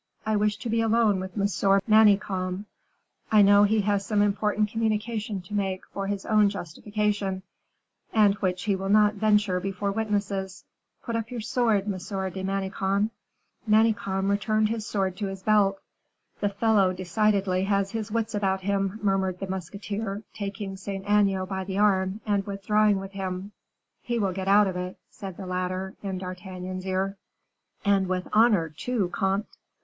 I wish to be alone with M. de Manicamp; I know he has some important communication to make for his own justification, and which he will not venture before witnesses.... Put up your sword, M. de Manicamp." Manicamp returned his sword to his belt. "The fellow decidedly has his wits about him," murmured the musketeer, taking Saint Aignan by the arm, and withdrawing with him. "He will get out of it," said the latter in D'Artagnan's ear. "And with honor, too, comte."